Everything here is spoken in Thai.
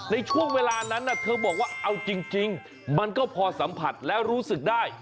ในช่วงเวลานั้นเธอบอกว่าเอาจริงมันก็พอสัมผัสและรู้สึกได้